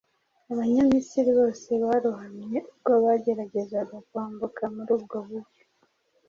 abanyamisiri bose barohamye ubwo bageragezaga kwambuka muri ubwo buryo